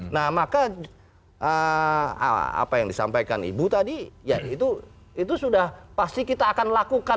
nah maka apa yang disampaikan ibu tadi ya itu sudah pasti kita akan lakukan